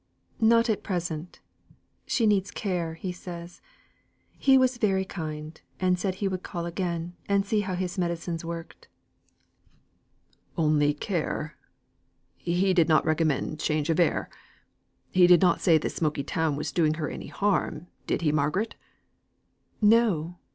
"Not at present; she needs care, he says; he was very kind, and he said he would call again, and see how his medicines worked." "Only care? he did not recommend change of air? he did not say this smoky town was doing her any harm, did he, Margaret?" "No!